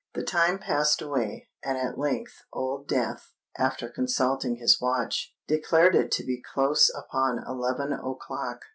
The time passed away; and at length Old Death, after consulting his watch, declared it to be close upon eleven o'clock.